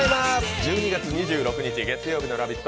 １２月２６日月曜日の「ラヴィット！」